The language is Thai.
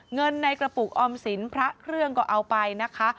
เงินในกระปุกออมสินพระเครื่องก็เอาไปนะคะ